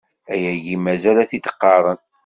Ayagi mazal a t-id-qqaren.